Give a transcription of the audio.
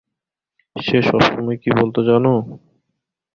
সে সবসময় কি বলতো জানো?